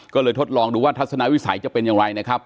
ก็เลยทดลองดูว่าทัศนวิสัยจะเป็นอย่างไรนะครับ